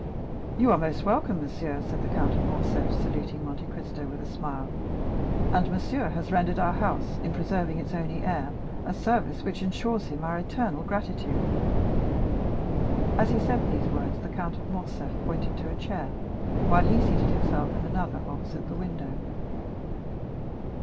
"You are most welcome, monsieur," said the Count of Morcerf, saluting Monte Cristo with a smile, "and monsieur has rendered our house, in preserving its only heir, a service which insures him our eternal gratitude." As he said these words, the count of Morcerf pointed to a chair, while he seated himself in another opposite the window.